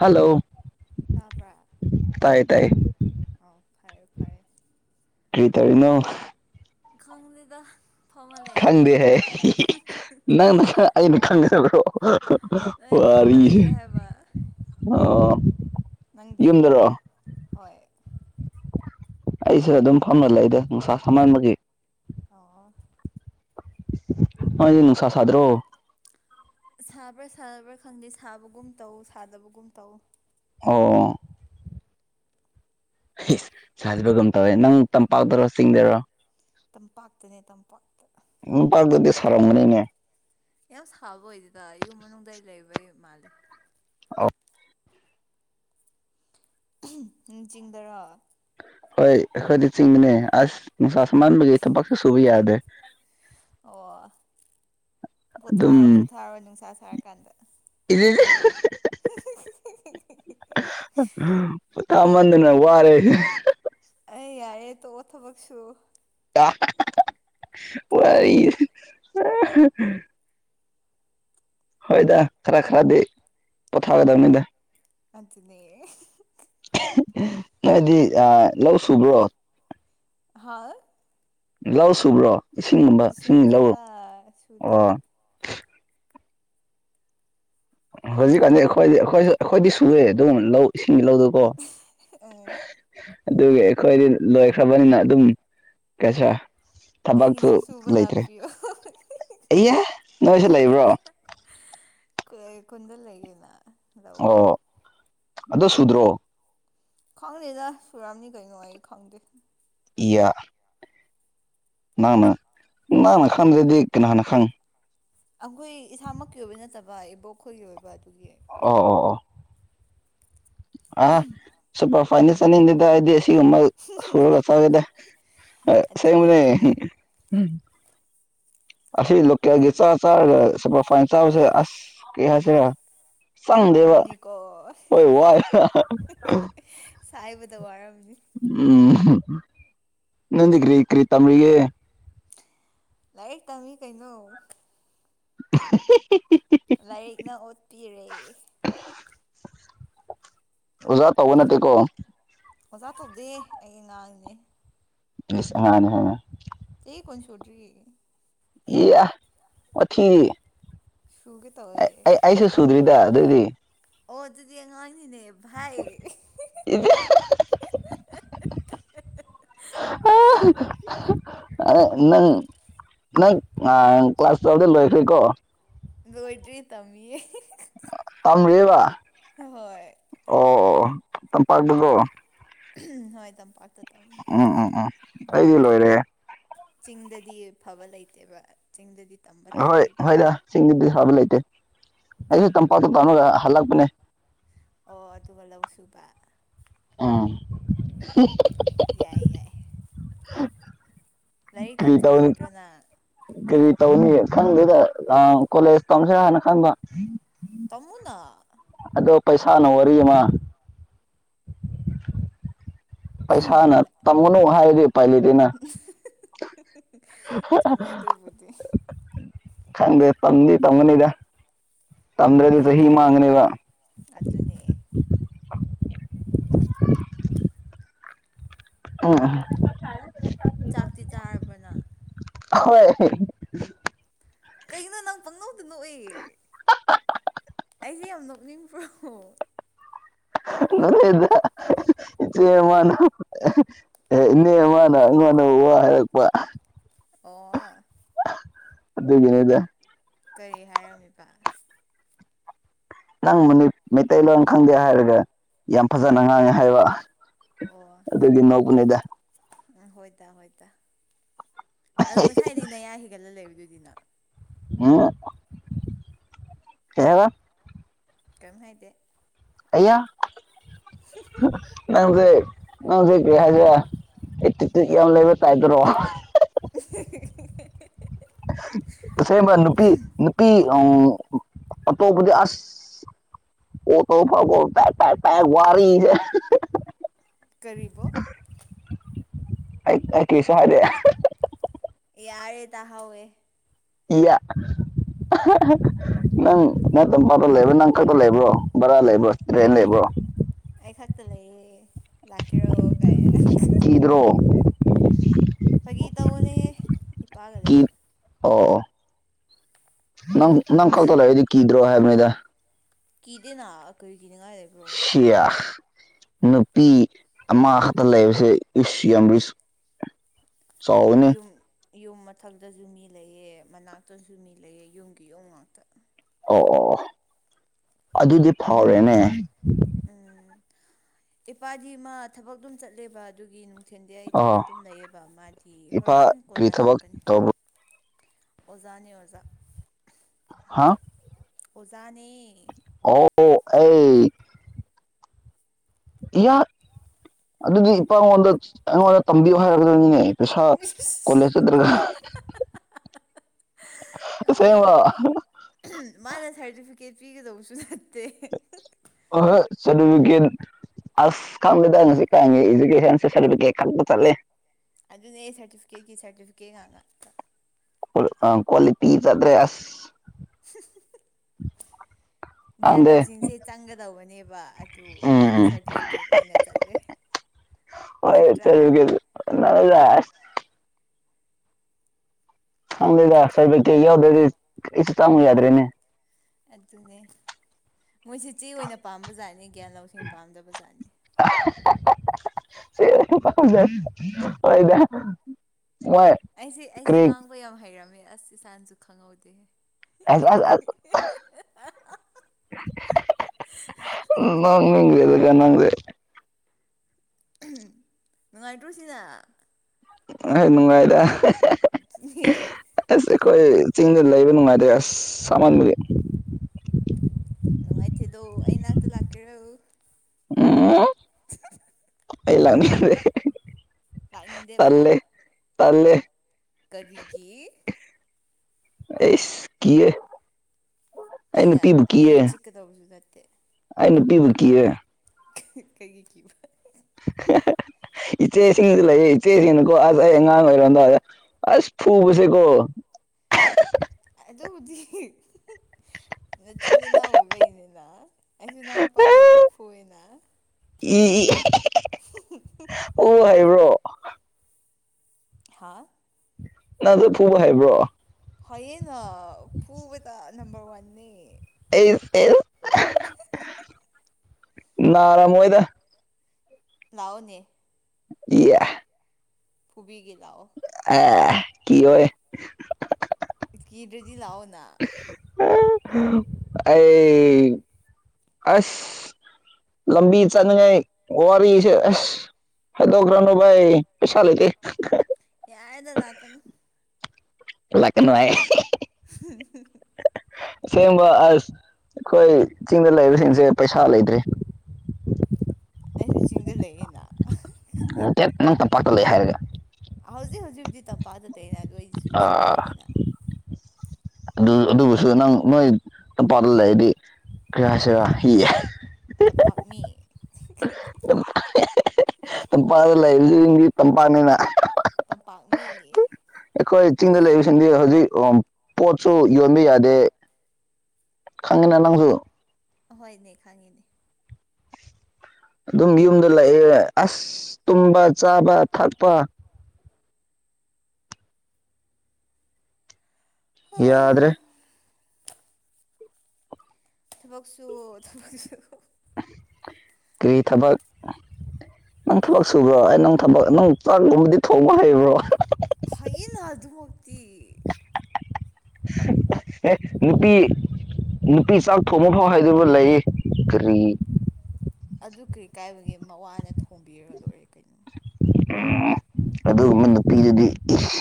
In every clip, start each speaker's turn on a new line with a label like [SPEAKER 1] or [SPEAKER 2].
[SPEAKER 1] Hello ꯇꯥꯏ ꯇꯥꯏ
[SPEAKER 2] ꯑꯥꯎ ꯐꯔꯦ ꯐꯔꯦ
[SPEAKER 1] ꯀ꯭ꯔꯤ ꯇꯧꯔꯤꯅꯣ
[SPEAKER 2] ꯈꯪꯗꯦꯗ ꯐꯝꯃ ꯂꯩꯌꯦ
[SPEAKER 1] ꯈꯪꯗꯦ ꯍꯦ ꯅꯪꯅ ꯈꯪꯉ ꯑꯩꯅ ꯈꯪꯒꯗꯕ꯭ꯔꯣ
[SPEAKER 2] ꯑꯦ ꯐꯝꯃ
[SPEAKER 1] ꯋꯥꯔꯤ
[SPEAKER 2] ꯂꯩꯌꯦ ꯍꯥꯏꯕ
[SPEAKER 1] ꯑꯣ
[SPEAKER 2] ꯅꯪꯗꯤ
[SPEAKER 1] ꯌꯨꯝꯗꯔꯣ
[SPEAKER 2] ꯍꯣꯏ
[SPEAKER 1] ꯑꯩꯁꯨ ꯑꯗꯨꯝ ꯐꯝꯂ ꯂꯩꯗ ꯅꯨꯡꯁꯥ ꯁꯃꯥꯟꯕꯒꯤ
[SPEAKER 2] ꯑꯣ
[SPEAKER 1] ꯑꯩ ꯅꯨꯡꯁꯥ ꯁꯥꯗ꯭ꯔꯣ
[SPEAKER 2] ꯁꯥꯕ꯭ꯔꯥ ꯁꯥꯗꯕ꯭ꯔꯥ ꯈꯪꯗꯦ ꯁꯥꯕꯒꯨꯝ ꯇꯧ ꯁꯥꯗꯕꯒꯨꯝ ꯇꯧ
[SPEAKER 1] ꯑꯣ ꯁꯥꯖꯕꯒꯨꯝ ꯇꯧꯋꯦ ꯅꯪ ꯇꯝꯄꯥꯛꯇꯔꯣ ꯆꯤꯡꯗꯔꯣ
[SPEAKER 2] ꯇꯝꯄꯥꯛꯇꯅꯦ ꯇꯝꯄꯥꯛꯇ
[SPEAKER 1] ꯇꯝꯄꯥꯛꯇꯗꯤ ꯁꯥꯔꯝ ꯒꯅꯤꯅꯦ
[SPEAKER 2] ꯌꯥꯝ ꯁꯥꯕ ꯑꯣꯏꯗꯦꯗ ꯌꯨꯝ ꯃꯅꯨꯡꯗ ꯂꯩꯕꯩ ꯃꯥꯂꯤ
[SPEAKER 1] ꯑꯧ
[SPEAKER 2] ꯅꯪ ꯆꯤꯡꯗꯔꯣ
[SPEAKER 1] ꯍꯣꯏ ꯑꯩꯈꯣꯏꯗꯤ ꯆꯤꯡꯕꯅꯦ ꯑꯁ ꯃꯅꯨꯡꯁꯥ ꯁ ꯃꯕꯒꯤ ꯊꯕꯛꯁꯦ ꯁꯨꯕ ꯌꯥꯗꯦ
[SPEAKER 2] ꯑꯣ ꯄꯣꯊꯥꯔꯣ ꯄꯣꯊꯥꯔꯣ ꯅꯨꯡꯁꯥ ꯁꯥꯔꯀꯥꯟꯗ
[SPEAKER 1] [unintelligible] ꯇꯥꯃꯟꯗꯅ ꯋꯥꯔꯦ
[SPEAKER 2] ꯑꯩ ꯌꯥꯔꯦ ꯇꯣꯛꯑꯣ ꯊꯕꯛ ꯁꯨ
[SPEAKER 1] [unintelligible]
[SPEAKER 2] ꯀꯥꯟꯅꯗꯦ
[SPEAKER 1] ꯋꯥꯔꯤ ꯍꯣꯏꯗ ꯈꯔ ꯈꯔꯗꯤ ꯄꯊꯥ ꯑꯣꯏꯗꯃꯤꯗ
[SPEAKER 2] ꯃꯆꯅꯦ
[SPEAKER 1] ꯅꯣꯏꯗꯤ ꯂꯧ ꯁꯨꯕ꯭ꯔꯣ
[SPEAKER 2] [unintelligible]
[SPEAKER 1] ꯂꯧ ꯁꯨꯕ꯭ꯔꯣ ꯏꯁꯤꯡꯒꯨꯝꯕ ꯏꯁꯤꯡ ꯂꯧꯔꯣ
[SPEAKER 2] ꯁꯨꯗꯦꯗ ꯁꯨꯗꯦ
[SPEAKER 1] ꯑꯣ ꯍꯧꯖꯤꯛꯀꯥꯟꯗꯤ ꯑꯩꯈꯣꯏꯗꯤ ꯑꯩꯈꯣꯏꯁꯨ ꯑꯩꯈꯣꯏꯗꯤ ꯁꯨꯔꯦ ꯑꯗꯨꯝ ꯂꯧ ꯏꯁꯤꯡꯒꯤ ꯂꯧꯗꯨꯀꯣ
[SPEAKER 2] [unintelligible]
[SPEAKER 1] ꯑꯗꯨꯒꯒꯤ ꯑꯩꯈꯣꯏꯗꯤ ꯂꯣꯏꯈ꯭ꯔꯕꯅꯤꯅ ꯑꯗꯨꯝ ꯀꯩꯁꯔ ꯊꯕꯛꯇꯨ
[SPEAKER 2] ꯑꯩꯒꯤꯁꯨ ꯁꯨꯕ
[SPEAKER 1] ꯂꯩꯇ꯭ꯔꯦ
[SPEAKER 2] ꯂꯥꯛꯄꯤꯌꯣ
[SPEAKER 1] ꯏꯍ ꯅꯣꯏꯁꯨ ꯂꯩꯕ꯭ꯔꯣ
[SPEAKER 2] ꯀꯨꯟꯗ ꯂꯩꯒꯦꯅ
[SPEAKER 1] ꯑꯣ ꯑꯗꯨ ꯁꯨꯗ꯭ꯔꯣ
[SPEAKER 2] ꯈꯪꯗꯦꯗ ꯁꯨꯔꯝꯅꯤ ꯀꯩꯅꯣ ꯍꯥꯏ ꯈꯪꯗꯦ
[SPEAKER 1] ꯏꯌꯥ ꯅꯪꯅ ꯅꯪꯅ ꯈꯪꯖꯦꯗꯤꯦ ꯀꯅ ꯍꯅ ꯈꯪ
[SPEAKER 2] ꯑꯩꯈꯣꯏ ꯏꯁꯥꯃꯛꯀꯤ ꯑꯣꯏꯕ ꯅꯠꯇꯕ ꯏꯕꯣꯛꯈꯣꯏꯒꯤ ꯑꯣꯏꯕ ꯑꯗꯨꯒꯤ
[SPEAKER 1] ꯑꯣ ꯑꯣ ꯑꯣ ꯑ ꯁꯄ ꯐꯥꯏꯅꯦꯜꯁꯗꯦ ꯁꯤꯒ ꯁꯨꯔꯒꯁ ꯀꯗ ꯁ
[SPEAKER 2] ꯑꯗꯨꯅꯦ
[SPEAKER 1] ꯃꯅꯦ
[SPEAKER 2] ꯑꯗꯨꯅꯦ
[SPEAKER 1] ꯑꯁꯤ ꯂꯣꯀꯦꯜꯒꯤ ꯆꯥ ꯆꯥꯔꯒ ꯁꯨꯄꯔ ꯐꯥꯏꯟ ꯆꯥꯕꯁꯦ ꯑꯁ ꯀꯩ ꯍꯥꯏꯁꯤꯔꯥ ꯆꯪꯗꯦꯕ
[SPEAKER 2] ꯋꯥꯔꯝꯅꯤꯀꯣ
[SPEAKER 1] ꯍꯣꯏ ꯋꯥꯏ
[SPEAKER 2] ꯁꯥꯏꯕꯗ ꯋꯥꯔꯝꯅꯤ
[SPEAKER 1] ꯎꯝ ꯅꯒ꯭ꯔꯤ ꯏ ꯀ꯭ꯔꯤ ꯇꯝꯒ
[SPEAKER 2] ꯂꯥꯏ ꯇꯝꯃꯤ ꯀꯩꯅ
[SPEAKER 1] ꯤ ꯊꯤꯛ ꯊꯤ ꯊꯤ
[SPEAKER 2] ꯂꯥꯏꯔꯤꯛꯅ ꯑꯣꯠꯄꯤꯔꯦ
[SPEAKER 1] ꯑꯣꯖꯥ ꯇꯧꯕ ꯅꯠꯇꯦꯀꯣ
[SPEAKER 2] ꯑꯣꯖꯥ ꯇꯧꯗꯦ ꯑꯩ ꯑꯉꯥꯡꯅꯦ
[SPEAKER 1] ꯍꯥꯏꯅꯦ
[SPEAKER 2] ꯑꯦ ꯀꯟ ꯆꯣꯗ꯭ꯔꯤ
[SPEAKER 1] ꯏ ꯑ ꯑꯣꯊꯤꯗꯤ
[SPEAKER 2] ꯁꯨꯒꯦ ꯇꯧꯋꯦ
[SPEAKER 1] ꯑꯩ ꯑꯩꯁꯨ ꯁꯨꯗ꯭ꯔꯤꯗ ꯑꯗꯨꯑꯣꯏꯗꯤ
[SPEAKER 2] ꯑꯣ ꯑꯗꯨꯗꯤ ꯑꯉꯥꯡꯅꯤꯅꯦ ꯚꯥꯏ
[SPEAKER 1] [unintelligible]
[SPEAKER 2] [unintelligible]
[SPEAKER 1] ꯑ ꯑ ꯅꯪ ꯅꯪ ꯀ꯭ꯂꯥꯁ ꯆꯧꯗꯤ ꯂꯣꯏꯈꯦꯀꯣ
[SPEAKER 2] ꯂꯣꯏꯗ꯭ꯔꯤ ꯇꯝꯃꯤꯌꯦ
[SPEAKER 1] ꯇꯝꯔꯤꯦꯕ
[SPEAKER 2] ꯍꯣꯏ
[SPEAKER 1] ꯑꯣ ꯇꯝꯄꯥꯛꯇꯗꯣ
[SPEAKER 2] ꯎ ꯍꯣꯏ ꯇꯝ ꯄꯥꯛ
[SPEAKER 1] ꯎꯝ ꯎꯝ ꯎꯝ ꯑꯩꯗꯤ ꯂꯣꯏꯔꯦ
[SPEAKER 2] ꯆꯤꯡꯗꯗꯤ ꯐꯕ ꯂꯩꯇꯦꯕ ꯆꯤꯡꯗꯗꯤ ꯇꯝꯕ
[SPEAKER 1] ꯑꯍꯣꯏ
[SPEAKER 2] ꯇꯜꯂꯦꯕ
[SPEAKER 1] ꯍꯣꯏꯗ ꯆꯤꯡꯗꯨꯗꯤ ꯁꯥꯕ ꯂꯩꯇꯦ ꯑꯩꯁꯨ ꯇꯝꯄꯥꯛꯇ ꯇꯧꯅꯒ ꯍꯜꯂꯛꯄꯅꯦ
[SPEAKER 2] ꯑꯣ ꯑꯗꯨꯒ ꯂꯧ ꯁꯨꯕ ꯌꯥꯏ ꯌꯥꯏ
[SPEAKER 1] [unintelligible]
[SPEAKER 2] ꯂꯥꯏꯔꯤꯛ
[SPEAKER 1] ꯊ꯭ꯔꯤ ꯊꯥꯎꯖꯟ
[SPEAKER 2] ꯇꯝꯊꯔꯣꯏꯗ꯭ꯔꯣ ꯅꯪ
[SPEAKER 1] ꯀꯔꯤ ꯇꯧꯅꯤ ꯈꯪꯗꯦꯗ ꯀꯣꯂꯦꯖ ꯇꯧꯁꯥ ꯍꯥꯏꯅ ꯈꯟꯕ
[SPEAKER 2] ꯇꯃꯨꯅ
[SPEAKER 1] ꯑꯗꯣ ꯄꯩꯁꯥꯅꯅꯨꯡ ꯋꯥꯔꯤ ꯑꯃ ꯄꯩꯁꯥꯅ ꯇꯝꯒꯅꯨ ꯍꯥꯏꯔꯗꯤ ꯄꯥꯏꯂꯤꯗꯅ
[SPEAKER 2] ꯆꯨꯝꯃꯦꯗꯨꯕꯨꯗꯤ
[SPEAKER 1] ꯈꯪꯗꯦ ꯇꯝꯗꯤ ꯇꯝꯒꯅꯤꯗ ꯇꯝꯗ꯭ꯔꯗꯤ ꯆꯍꯤ
[SPEAKER 2] ꯍꯣꯏꯇꯥ
[SPEAKER 1] ꯃꯥꯡꯒꯅꯤꯕ
[SPEAKER 2] ꯑꯗꯨꯅꯦ
[SPEAKER 1] ꯑ
[SPEAKER 2] ꯆꯥꯛꯇꯤ ꯇꯥꯔꯕ ꯅꯪ
[SPEAKER 1] ꯍꯣꯏ
[SPEAKER 2] ꯀꯩꯒꯤꯅꯣ ꯅꯪ ꯄꯪꯅꯣꯛꯇ ꯅꯣꯛꯏ ꯑꯩꯁꯦ ꯌꯥꯝ ꯅꯣꯛꯅꯤꯡꯕ꯭ꯔꯣ
[SPEAKER 1] ꯅꯠꯇꯦꯗ ꯏꯆꯦ ꯑꯃꯅ ꯑꯦ ꯏꯅꯦ ꯃꯥꯅ ꯑꯩꯉꯣꯟꯗ ꯋꯥ ꯍꯥꯏꯔꯛꯄ
[SPEAKER 2] ꯑꯣ
[SPEAKER 1] ꯑꯗꯨꯒꯤꯅꯤꯗ
[SPEAKER 2] ꯀꯔꯤ ꯍꯥꯏꯔꯝꯃꯤꯕ
[SPEAKER 1] ꯅꯪ ꯃꯩꯇꯩꯂꯣꯟ ꯈꯪꯗꯦ ꯍꯥꯏꯔꯒ ꯌꯥꯝ ꯐꯖꯅ ꯉꯥꯡꯉꯦ ꯍꯥꯏꯕ
[SPEAKER 2] ꯑꯣ
[SPEAKER 1] ꯑꯗꯨꯒꯤ ꯅꯣꯛꯄꯅꯦꯗ
[SPEAKER 2] ꯎꯝ ꯍꯣꯏ ꯇ ꯍꯣꯏ ꯇ ꯑꯣ ꯉꯁꯥꯏꯗꯤ ꯅꯌꯥꯏ ꯍꯒꯠꯂ ꯂꯩꯕꯗꯨꯣꯏꯗꯤꯅ
[SPEAKER 1] ꯎꯝ ꯀꯩꯕ
[SPEAKER 2] ꯀꯩꯝ ꯍꯥꯏꯗꯦ
[SPEAKER 1] ꯑꯌꯥ ꯅꯪꯁꯦ ꯅꯪꯁꯦ ꯀꯩ ꯍꯥꯏꯁꯤꯒꯦ ꯑꯦꯇꯤꯞꯇ ꯌꯥꯝ ꯂꯩꯕ ꯇꯥꯏꯞꯇꯨꯔꯣ
[SPEAKER 2] [inaudible]
[SPEAKER 1] ꯑꯁꯦꯡꯕ ꯅꯨꯄꯤ ꯅꯨꯄꯤ ꯑꯇꯣꯞꯄꯗꯤ ꯑꯁ [inaudible]
[SPEAKER 2] ꯀꯔꯤꯕꯣ
[SPEAKER 1] ꯑꯩ ꯀꯩꯁꯨ ꯍꯥꯏꯗꯦ
[SPEAKER 2] ꯌꯥꯔꯦ ꯇꯥꯍꯧꯋꯦ
[SPEAKER 1] ꯏꯌꯥ ꯅꯪ ꯅꯪ ꯇꯝꯄꯥꯛꯇ ꯂꯩꯕꯣ ꯅꯪꯈꯛꯇ ꯂꯩꯕꯣ ꯕꯔꯥ ꯂꯩꯕꯣ ꯔꯦꯟ ꯂꯩꯕꯣ
[SPEAKER 2] ꯑꯩ ꯈꯛꯇ ꯂꯩꯌꯦ ꯂꯥꯛꯀꯦꯔꯣ ꯀꯥꯏꯅ
[SPEAKER 1] ꯀꯤꯗ꯭ꯔꯣ
[SPEAKER 2] ꯐꯒꯤ ꯇꯧꯕꯅꯤꯍꯦ ꯏꯄꯥꯒ
[SPEAKER 1] ꯀꯤ
[SPEAKER 2] ꯂꯩꯌꯦ
[SPEAKER 1] ꯑꯣ ꯅꯪ ꯅꯪ ꯈꯛꯇ ꯂꯩꯥꯔꯗꯤ ꯀꯤꯗ꯭ꯔꯣ ꯍꯥꯏꯕꯅꯤꯗ
[SPEAKER 2] ꯀꯤꯗꯦꯅ ꯀꯔꯤ ꯀꯤꯅꯤꯉꯥꯏ ꯂꯩ
[SPEAKER 1] ꯁꯤꯌꯥ ꯅꯨꯄꯤ ꯑꯃꯈꯛꯇ ꯂꯩꯕꯁꯦ ꯏꯁ ꯌꯥꯝ ꯔꯤꯛꯁ
[SPEAKER 2] ꯌꯨꯝ ꯌꯨꯝ ꯃꯊꯛꯇꯁꯨ ꯃꯤ ꯂꯩꯑꯦ ꯃꯅꯥꯛꯇꯁꯨ ꯃꯤ ꯂꯩꯑꯦ ꯌꯨꯝꯒꯤ ꯌꯨꯝ ꯉꯥꯛꯇ
[SPEAKER 1] ꯑꯣ ꯑꯣ ꯑꯗꯨꯗꯤ ꯐꯥꯔꯦꯅꯦ
[SPEAKER 2] ꯎꯝ ꯏꯄꯥꯗꯤ ꯃꯥ ꯊꯕꯛ ꯑꯗꯨꯝ ꯆꯠꯂꯦꯕ ꯑꯗꯨꯒꯤ ꯊꯤꯟꯗꯤ ꯑꯩ ꯊꯟꯅ
[SPEAKER 1] ꯑꯣ
[SPEAKER 2] ꯑꯗꯨꯝ ꯂꯩꯑꯦꯕ ꯃꯥꯗꯤ
[SPEAKER 1] ꯏꯄꯥ
[SPEAKER 2] ꯍꯣꯔꯦꯟ
[SPEAKER 1] ꯀꯔꯤ
[SPEAKER 2] ꯀꯣꯟꯅ
[SPEAKER 1] ꯊꯕꯛ
[SPEAKER 2] ꯂꯥꯛꯀꯅꯤ
[SPEAKER 1] ꯇꯧꯕ꯭ꯔꯣ
[SPEAKER 2] ꯑꯣꯖꯥꯅꯤ ꯑꯣꯖꯥ
[SPEAKER 1] ꯍꯥ
[SPEAKER 2] ꯑꯣꯖꯥꯅꯦ
[SPEAKER 1] ꯑꯣ ꯑꯩ ꯏꯌꯥ ꯑꯗꯨꯗꯤ ꯏꯄꯥꯉꯣꯟꯗ ꯑꯩꯉꯣꯟꯗ ꯇꯝꯕꯤꯌꯨ ꯍꯥꯏꯒꯗꯕꯅꯤꯅꯦ [inaudible]
[SPEAKER 2] ꯑ ꯃꯥꯅ ꯁꯥꯔꯇꯤꯐꯤꯀꯦꯠ ꯄꯤꯒꯗꯧꯕꯁꯨ ꯅꯠꯇꯦ
[SPEAKER 1] ꯑ ꯁꯔꯇꯤꯐꯤꯀꯦꯠ ꯑꯁ ꯈꯪꯗꯦꯗ ꯍꯧꯖꯤꯛꯀꯥꯟ ꯁꯔꯇꯤꯐꯤꯀꯦꯠ ꯈꯛꯇ ꯈꯜꯂꯦ
[SPEAKER 2] ꯑꯗꯨꯅꯦ ꯁꯥꯔꯇꯤꯐꯤꯀꯦꯠꯀꯤ ꯁꯥꯔꯇꯤꯐꯤꯀꯦꯠ ꯉꯥꯛꯇ
[SPEAKER 1] ꯀ꯭ꯋꯥꯂꯤꯇꯤ ꯆꯥꯗ꯭ꯔꯦ ꯑꯁ
[SPEAKER 2] ꯍ ꯒ꯭ꯌꯥꯟ
[SPEAKER 1] ꯈꯪꯗꯦ
[SPEAKER 2] ꯂꯧꯁꯤꯡꯁꯦ ꯆꯪꯒꯗꯧꯕꯅꯦꯕ ꯑꯗꯨ ꯃꯣꯏꯗꯤ
[SPEAKER 1] ꯎꯝ
[SPEAKER 2] ꯁꯥꯔꯇꯤꯐꯤꯀꯦꯠ ꯑꯣꯏꯅ ꯆꯠꯂꯦ ꯅꯠꯇ꯭ꯔꯥ
[SPEAKER 1] [inaudible] ꯈꯪꯗꯦꯗ ꯁ꯭ꯔꯕꯩ ꯇꯦꯔꯤꯌꯥ ꯕꯦꯔꯤꯑꯦꯠ ꯑꯩꯁꯨ ꯆꯥꯡꯉꯨ ꯌꯥꯗ꯭ꯔꯦꯅꯦ
[SPEAKER 2] ꯑꯗꯨꯅꯦ ꯃꯣꯏꯁꯦ ꯆꯦ ꯑꯣꯏꯅ ꯄꯥꯝꯕ ꯖꯥꯠꯅꯤ ꯒ꯭ꯌꯥꯟ ꯂꯧꯁꯤꯡ ꯄꯥꯝꯗꯕꯖꯥꯠꯅꯤ
[SPEAKER 1] [unintelligible] ꯆꯦ ꯑꯣꯏꯅ ꯄꯥꯝꯕꯖꯥꯠꯅꯤ ꯍꯣꯏꯗ ꯍꯣꯏ
[SPEAKER 2] ꯑꯩꯁꯦ ꯑꯩꯁꯦ ꯉꯥꯡꯕ ꯌꯥꯝ ꯍꯩꯔꯝꯃꯦ ꯑꯁ ꯏꯁꯥꯅꯁꯨ ꯈꯪꯍꯧꯗꯦ
[SPEAKER 1] ꯑꯁ ꯑꯁ‌ ꯑꯠ ꯃꯡꯅꯤꯡꯗꯦꯗ ꯅꯪꯗꯤ
[SPEAKER 2] ꯅꯨꯡꯉꯥꯏꯇ꯭ꯔꯣ ꯁꯤꯅ
[SPEAKER 1] ꯅꯨꯡꯉꯥꯏ ꯅꯨꯡꯉꯥꯏꯗ
[SPEAKER 2] ꯑꯗꯨꯅꯦ
[SPEAKER 1] ꯑꯁ ꯑꯩꯈꯣꯏ ꯆꯤꯡꯗ ꯂꯩꯕ ꯅꯨꯡꯉꯥꯏꯇꯦ ꯑꯁ ꯁꯥꯃꯟꯕꯒꯤ
[SPEAKER 2] ꯅꯨꯡꯉꯥꯏꯇꯦꯗꯣ ꯑꯩ ꯅꯥꯛꯇ ꯂꯥꯛꯀꯦꯔꯣ
[SPEAKER 1] ꯎꯝ ꯑꯩ ꯂꯥꯛꯅꯤꯡꯗꯦ
[SPEAKER 2] ꯂꯥꯛꯅꯤꯡꯗꯦꯕ
[SPEAKER 1] ꯇꯜꯂꯦ ꯇꯜꯂꯦ
[SPEAKER 2] ꯀꯔꯤꯒꯤ
[SPEAKER 1] ꯑꯩꯁ ꯀꯤꯌꯦ ꯑꯩ ꯅꯨꯄꯤꯕꯨ ꯀꯤꯌꯦ
[SPEAKER 2] ꯀꯗꯧꯕꯖꯨ ꯅꯠꯇꯦ
[SPEAKER 1] ꯑꯩ ꯅꯨꯄꯤꯕꯨ ꯀꯤꯔꯦ
[SPEAKER 2] ꯀꯩꯒꯤ ꯀꯤꯕ
[SPEAKER 1] [unintelligible] ꯏꯆꯦꯁꯤꯡꯖꯨ ꯂꯩꯌꯦ ꯏꯆꯦꯁꯤꯡꯅꯀꯣ ꯑꯁ ꯑꯩ ꯑꯉꯥꯡ ꯑꯣꯏꯔꯣꯝꯗꯥꯏꯗ ꯑꯁ ꯐꯨꯕꯁꯦꯀꯣ
[SPEAKER 2] ꯑꯗꯨꯕꯨꯗꯤ ꯅꯆꯤꯟ ꯅꯅꯥꯎ ꯑꯣꯏꯕꯩꯅꯤꯅ ꯑꯩꯁꯨ ꯏꯅꯥꯎ ꯅꯨꯄꯥꯗꯣ ꯑꯗꯨꯝ ꯐꯨꯑꯦꯅ
[SPEAKER 1] ꯏ ꯏ ꯏ
[SPEAKER 2] [unintelligible]
[SPEAKER 1] ꯑꯣ ꯍꯥꯏꯕ꯭ꯔꯣ
[SPEAKER 2] ꯍꯥꯥ
[SPEAKER 1] ꯅꯪꯁꯨ ꯐꯨꯕ ꯍꯩꯕ꯭ꯔꯣ
[SPEAKER 2] ꯍꯩꯌꯦꯟꯅ ꯐꯨꯕꯗ ꯅꯝꯕ꯭ꯔ ꯋꯥꯟꯅꯦ
[SPEAKER 1] ꯑꯦꯁ ꯑꯦꯜ ꯅꯥꯔꯝꯃꯣꯏꯗ
[SPEAKER 2] ꯂꯥꯎꯑꯣꯅꯦ
[SPEAKER 1] ꯏꯌꯥ
[SPEAKER 2] ꯐꯨꯕꯤꯒꯦ ꯂꯥꯛꯑꯣ
[SPEAKER 1] ꯑꯥꯏ ꯀꯤꯑꯣꯑꯦ
[SPEAKER 2] ꯀꯤꯗ꯭ꯔꯗꯤ ꯂꯥꯛꯑꯣꯅ
[SPEAKER 1] ꯑꯩ ꯑꯁ ꯂꯝꯕꯤ ꯆꯠꯅꯉꯥꯏ ꯋꯥꯔꯤꯁꯦ ꯑꯁ ꯍꯩꯗꯧꯒ꯭ꯔꯝꯅꯣ ꯚꯥꯏ ꯄꯩꯁꯥ ꯂꯩꯇꯦ
[SPEAKER 2] ꯌꯥꯔꯦꯗ ꯂꯥꯛꯀꯅꯨ
[SPEAKER 1] ꯂꯥꯛꯀꯅꯨ ꯍꯥꯏ
[SPEAKER 2] [unintelligible]
[SPEAKER 1] ꯑꯁꯦꯡꯕ ꯑꯁ ꯑꯩꯈꯣꯏ ꯆꯤꯡꯗ ꯂꯩꯕꯁꯤꯡꯁꯦ ꯄꯩꯁꯥ ꯂꯩꯇ꯭ꯔꯦ
[SPEAKER 2] ꯑꯩꯁꯨ ꯆꯤꯡꯗ ꯂꯩꯌꯦꯅ
[SPEAKER 1] ꯗꯦꯠ ꯅꯪ ꯇꯝꯄꯥꯛꯇ ꯂꯩ ꯍꯥꯏꯔꯒ
[SPEAKER 2] ꯍꯧꯖꯤꯛ ꯍꯧꯖꯤꯛꯄꯨꯗꯤ ꯇꯝꯄꯥꯛꯇ ꯇꯩꯅ ꯑꯗꯣ ꯑꯩꯒꯤꯁꯨ ꯆꯤꯡꯃꯤꯅꯦꯅ
[SPEAKER 1] ꯑꯗꯨ ꯑꯗꯨꯕꯨꯁꯨ ꯅꯪ ꯅꯣꯏ ꯇꯝꯄꯥꯛꯗ ꯂꯩꯔꯗꯤ ꯀꯔꯤ ꯍꯥꯏꯁꯤꯔꯥ ꯍꯤꯌꯦ
[SPEAKER 2] ꯇꯝꯄꯥꯛ ꯃꯤ
[SPEAKER 1] ꯑꯗꯨꯝ ꯇꯝꯄꯥꯛꯗ ꯂꯩꯕꯖꯤꯡꯗꯤ ꯇꯝꯄꯥꯛꯅꯤꯅ
[SPEAKER 2] ꯇꯝꯄꯥꯛ ꯃꯤ
[SPEAKER 1] ꯑꯩꯈꯣꯏ ꯆꯤꯡꯗ ꯂꯩꯕꯁꯤꯡꯗꯤ ꯍꯧꯖꯤꯛ ꯑꫭꯝ ꯄꯣꯠꯁꯨ ꯌꯣꯟꯕ ꯌꯥꯗꯦ꯫ ꯈꯪꯏꯅ ꯅꯪꯁꯨ꯫
[SPEAKER 2] ꯑꯍꯣꯏꯅꯦ ꯈꯪꯉꯤꯅꯦ꯫
[SPEAKER 1] ꯑꯗꯨꯝ ꯌꯨꯝꯗ ꯂꯥꯩꯑꯦ ꯑꯁ ꯇꯨꯝꯕ ꯆꯥꯕ ꯊꯛꯄ꯫ ꯌꯥꯗ꯭ꯔꯦ꯫
[SPEAKER 2] ꯊꯕꯛꯁꯨ ꯊꯕꯛꯁꯨ
[SPEAKER 1] ꯀꯔꯤ ꯊꯕꯛ꯫ ꯅꯪ ꯊꯕꯛ ꯁꯨꯕ꯭ꯔꯣ ꯑꯩ ꯅꯪ ꯊꯕꯛ ꯅꯪ ꯆꯥꯛꯀꯨꯝꯕꯗꯤ ꯊꯣꯡꯕ ꯍꯩꯕ꯭ꯔꯣ꯫
[SPEAKER 2] ꯍꯩꯌꯦꯅ ꯑꯗꯨꯃꯛꯇꯤ꯫
[SPEAKER 1] ꯑꯦ ꯅꯨꯄꯤ ꯅꯨꯄꯤ ꯆꯥꯛ ꯊꯣꯡꯕ ꯐꯥꯎ ꯍꯥꯏꯗꯕ ꯂꯩꯌꯦ ꯀꯔꯤ꯫
[SPEAKER 2] ꯑꯗꯨ ꯀꯔꯤ ꯀꯥꯏꯔꯒꯦ ꯃꯋꯥꯅ ꯊꯣꯡꯕꯤꯔ ꯂꯣꯏꯔꯦ ꯀꯩꯅꯣ꯫
[SPEAKER 1] ꯎꯝ ꯑꯗꯨꯒꯨꯝꯕ ꯅꯨꯄꯤꯗꯨꯗꯤ ꯏꯁ꯫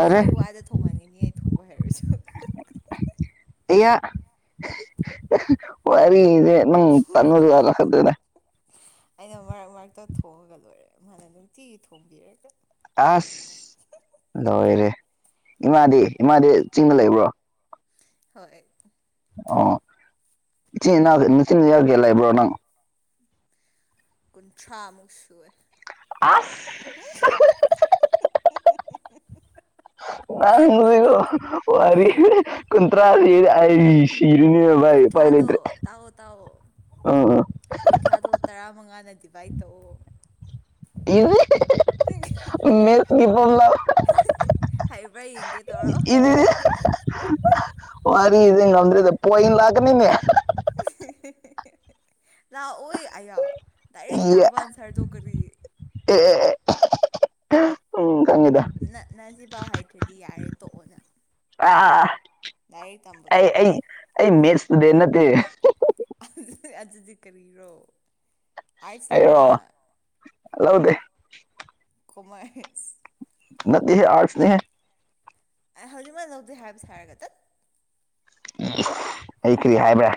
[SPEAKER 2] ꯑꯩꯁꯨ ꯏꯋꯥꯗ ꯊꯣꯡꯍꯟꯒꯅꯤ ꯑꯩ ꯊꯣꯡꯕ ꯍꯩꯔꯁꯨ꯫
[SPEAKER 1] ꯑꯌꯥ ꯋꯥꯔꯤꯔꯤꯗꯤ꯫ [inaudible]
[SPEAKER 2] ꯑꯩꯅ ꯃꯔꯛ ꯃꯔꯛꯇ ꯊꯣꯡꯉꯒ ꯂꯣꯏꯔꯦ ꯃꯥꯅ ꯅꯨꯡꯇꯤꯒꯤ ꯊꯣꯡꯕꯤꯔꯒ꯫
[SPEAKER 1] ꯑꯁ ꯂꯣꯏꯔꯦ ꯏꯃꯥꯗꯤ ꯏꯃꯥꯗꯤ ꯆꯤꯡꯗ ꯂꯩꯕ꯭ꯔꯣ꯫
[SPEAKER 2] ꯍꯣꯏ꯫
[SPEAKER 1] ꯑꯣ ꯏꯆꯤꯟ ꯏꯅꯥꯎ ꯃꯆꯤꯟ ꯅꯅꯥꯎ ꯀꯌꯥ ꯂꯏꯕ꯭ꯔꯣ ꯅꯪ꯫
[SPEAKER 2] ꯀꯨꯟꯊ꯭ꯔꯥꯃꯨꯛ ꯁꯨꯑꯦ꯫
[SPEAKER 1] ꯑꯥꯁ꯫
[SPEAKER 2] [unintelligible]
[SPEAKER 1] [inaudible] ꯑꯩ ꯁꯤꯔꯅꯤ ꯕꯥꯏ ꯎꯄꯥꯏ
[SPEAKER 2] ꯀꯨꯟꯊ꯭ꯔꯥꯗꯣ
[SPEAKER 1] ꯂꯩꯇ꯭ꯔꯦ
[SPEAKER 2] ꯇꯥꯛꯑꯣ ꯇꯥꯛꯑꯣ
[SPEAKER 1] ꯑ꯫
[SPEAKER 2] ꯀꯨꯟꯊ꯭ꯔꯥꯗꯣ ꯇꯔꯥꯃꯉꯥꯅ ꯗꯤꯚꯥꯏꯠ ꯇꯧꯑꯣ꯫
[SPEAKER 1] [unintelligible] ꯃꯦꯊꯁꯀꯤ ꯐꫭꯔꯝꯂꯥ
[SPEAKER 2] [unintelligible] ꯍꯥꯏꯕ꯭ꯔꯥ ꯌꯦꯡ
[SPEAKER 1] [unintelligible] ꯋꯥꯔꯤꯗꯤ ꯉꯗ꯭ꯔꯗ ꯄꫭꯏꯟ ꯂꯥꯛꯀꯅꯤꯅꯦ꯫
[SPEAKER 2] [unintelligible] ꯂꯥꯛꯑꫭꯏ꯫ ꯑꯌꯥ ꯗꯥꯏꯔꯦꯛ ꯇꯥꯕ ꯑꯟꯁꯔꯗꫭ ꯀꯔꯤ꯫
[SPEAKER 1] [unintelligible] ꯈꯪꯉꯤꯗ꯫
[SPEAKER 2] ꯅ ꯅꯁꯤꯐꯥꯎ ꯍꯥꯏꯇ꯭ꯔꯗꯤ ꯌꯥꯔꯦ ꯇꯣꯛꯑꯣ ꯅꯪ꯫
[SPEAKER 1] ꯑꯥ
[SPEAKER 2] ꯂꯥꯏꯔꯤꯛ ꯇꯝꯕ
[SPEAKER 1] ꯑꯩ
[SPEAKER 2] ꯇꯣꯛꯑꯣ꯫
[SPEAKER 1] ꯑꯩ ꯑꯩ ꯃꯦꯊꯁ ꯁ꯭ꯇꯨꯗꯦꯟ ꯅꯠꯇꯦ꯫
[SPEAKER 2] ꯑꯗꯨꯗꯤ ꯀꯔꯤꯔꯣ꯫ ꯑꯥꯔꯠꯁ ꯂꯧꯕ꯭ꯔ
[SPEAKER 1] ꯑꯩꯔꯣ
[SPEAKER 2] ꯅꯪ
[SPEAKER 1] ꯂꯧꯗꯦ꯫
[SPEAKER 2] ꯈꫭꯃꯥꯏ
[SPEAKER 1] ꯅꯠꯇꯦꯍꯦ ꯑꯔꯠꯁꯅꯦꯍꯦ꯫
[SPEAKER 2] ꯑꯦ ꯍꯧꯖꯤꯛ ꯃꯛ ꯂꯧꯗꯦ ꯍꯥꯏꯕ ꯁꯥꯔꯒ ꯇꯠ꯫
[SPEAKER 1] ꯑꯩ ꯀꯔꯤ ꯍꯥꯏꯕ꯭ꯔꯥ꯫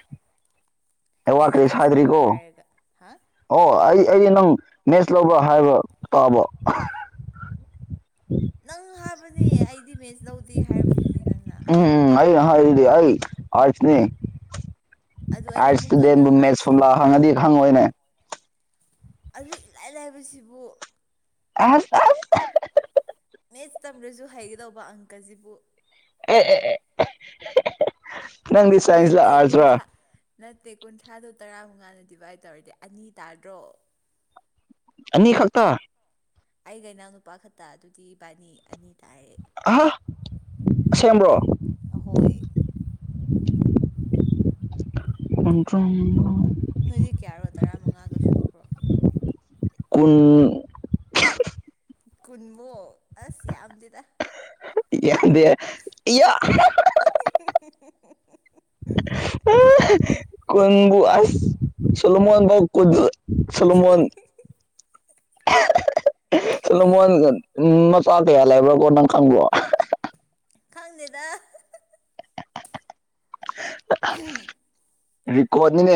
[SPEAKER 1] ꯑꯩ ꯋꯥ
[SPEAKER 2] ꯑꯩꯅ
[SPEAKER 1] ꯀꯔꯤꯁꯨ
[SPEAKER 2] ꯑꯥꯔꯠꯁ ꯂꯧꯕ꯭ꯔ
[SPEAKER 1] ꯍꯥꯏꯗ꯭ꯔꯤꯀꯣ
[SPEAKER 2] ꯍꯥꯏꯔꯒ ꯍꯥ
[SPEAKER 1] ꯑꯣ ꯑꯩ ꯑꯩ ꯅꯪ ꯃꯦꯠꯁ ꯂꯧꯕ꯭ꯔ ꯍꯥꯏꯕ ꯇꯥꯕ꯫
[SPEAKER 2] ꯅꯪ ꯍꯥꯕꯅꯦ ꯑꯩꯗꯤ ꯃꯦꯊꯁ ꯂꯧꯗꯦ ꯍꯥꯏꯔꯕꯗꯨꯗꯤ ꯅꯪꯅ꯫
[SPEAKER 1] ꯎꯝ ꯎꯝ ꯑꯩꯅ ꯍꯥꯏꯗꯤ ꯑꯩ ꯑꯥꯔꯠꯁꯅꯤ
[SPEAKER 2] ꯑꯗꯨ ꯑꯩꯅ
[SPEAKER 1] ꯑꯥꯔꯁ
[SPEAKER 2] ꯑꯃꯨꯛꯀ
[SPEAKER 1] ꯁ꯭ꯇꯨꯗꯦꯟꯕꯨ
[SPEAKER 2] ꯅꯪ
[SPEAKER 1] ꯃꯦꯊꯁ
[SPEAKER 2] ꯑꯥꯔꯠꯁ
[SPEAKER 1] ꯐꫭꯔꯝꯂꯥ
[SPEAKER 2] ꯂꯧꯕ꯭ꯔꯥ
[SPEAKER 1] ꯍꯪꯉꯗꯤ
[SPEAKER 2] ꯍꯪꯉꯒ
[SPEAKER 1] ꯈꯪꯉꯣꯏꯅꯦ꯫
[SPEAKER 2] ꯑꯗꯨ ꯏꯂꯥꯏ ꯂꯥꯏꯕꯁꯤꯕꯨ꯫
[SPEAKER 1] [unintelligible]
[SPEAKER 2] ꯃꯦꯠꯁ ꯇꯝꯗ꯭ꯔꯁꯨ ꯍꯩꯒꯗꯧꯕ ꯑꯪꯀꯁꯤꯕꯨ꯫
[SPEAKER 1] ꯅꯪꯗꯤ ꯁꯥꯏꯟꯁꯂ
[SPEAKER 2] ꯅꯠꯇꯦ
[SPEAKER 1] ꯑꯔꯁꯂ
[SPEAKER 2] ꯀꯨꯟꯊ꯭ꯔꯥ ꯅꯠꯇꯦ ꯀꯨꯟꯊ꯭ꯔꯥꯗꯣ ꯇꯔꯥꯃꯨꯉꯥꯟꯅ ꯗꯤꯚꯥꯏꯠ ꯇꯧꯔꯗꯤ ꯑꯅꯤ ꯇꯥꯗ꯭ꯔꯣ
[SPEAKER 1] ꯑꯅꯤ ꯈꯛꯇ
[SPEAKER 2] ꯑꯩꯒ ꯏꯅꯥꯎ ꯅꯨꯄꯥ ꯈꯛꯇ ꯑꯗꯨꯗꯤ ꯕꯥꯅꯤ ꯑꯅꯤ ꯇꯥꯔꯦ
[SPEAKER 1] ꯑꯍ ꯁꯦꯝꯕ꯭ꯔꯣ
[SPEAKER 2] ꯑꯍꯣꯏ
[SPEAKER 1] ꯀꯟꯇ꯭ꯔꯣ
[SPEAKER 2] ꯅꯣꯏꯗꯤ ꯀꯌꯥꯔꯣ ꯇꯔꯥꯃꯉꯥꯒ ꯁꯨꯕ꯭ꯔꯣ
[SPEAKER 1] ꯀꯨꯟ
[SPEAKER 2] ꯀꯨꯟꯃꯣꯛ ꯑꯁ ꯌꯥꯝꯗꯦꯗ
[SPEAKER 1] ꯌꯥꯗꯦ ꯏ
[SPEAKER 2] ꯍꯨ ꯍꯨ ꯍꯨ
[SPEAKER 1] ꯀꯟꯕꯨꯨ ꯑꯁ ꯆꯂꯃꯣꯟꯕꯥꯎ ꯀꯨꯗ ꯁꯂꯣꯃꯣꯟ ꯆꯂꯣ ꯃꯣꯏ ꯅꯆꯥ ꯀꯩꯌꯥꯜ ꯂꯩꯕ꯭ꯔꯥ ꯀꯣ ꯅꯪ ꯈꯪꯕ꯭ꯔꯣ
[SPEAKER 2] ꯈꯪꯗꯦꯗ ꯎꯝ
[SPEAKER 1] ꯔꯤꯀꯣꯔꯠꯅꯤꯅꯦ